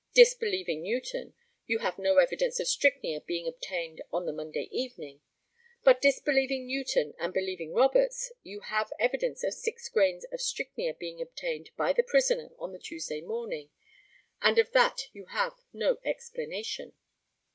Disbelieving Newton, you have no evidence of strychnia being obtained on the Monday evening; but, disbelieving Newton and believing Roberts, you have evidence of six grains of strychnia being obtained by the prisoner on the Tuesday morning, and of that you have no explanation.